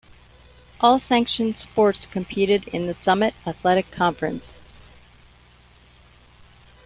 All sanctioned sports competed in the Summit Athletic Conference.